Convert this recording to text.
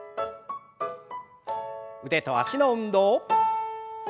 腕と脚の運動。